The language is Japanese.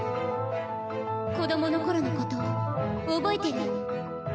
子供の頃のこと覚えてる？